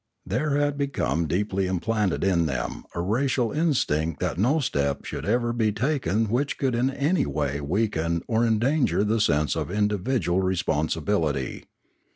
There had become deeply implanted in them a racial instinct that no step should ever be taken which could in any way weaken or endanger the sense of individual responsibility.